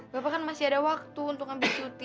bapak kan masih ada waktu untuk ngambil cuti